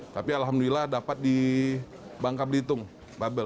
tapi alhamdulillah dapat di bangka belitung babel